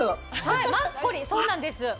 マッコリそうなんです